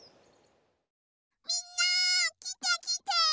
みんなきてきて！